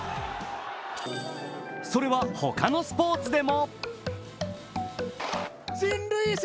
それは、他のスポーツでも。